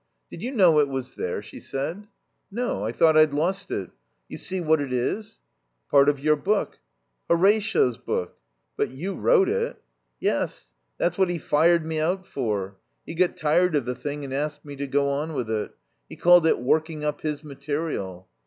"Did you know it was there?" she said. "No. I thought I'd lost it. You see what it is?" "Part of your book." "Horatio's book." "But you wrote it." "Yes. That's what he fired me out for. He got tired of the thing and asked me to go on with it. He called it working up his material.